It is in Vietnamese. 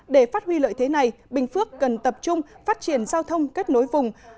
để phát huy lợi thế này bình phước cần tập trung phát triển giao thông kết nối vùng